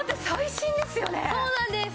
そうなんです。